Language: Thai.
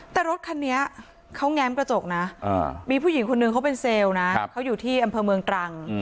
แต่รถคันนี้เขาแง้มกระจกนะมีผู้หญิงคนนึงเขาเป็นเซลล์นะเขาอยู่ที่อำเภอเมืองตรัง